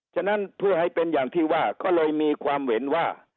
ฉะนั้นเพื่อให้เป็นอย่างที่ว่าก็เลยมีความเห็นว่า